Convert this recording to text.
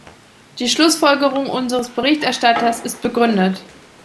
Die Schlussfolgerung unseres Berichterstatters ist begründet.